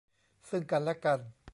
ซึ่งกันและกัน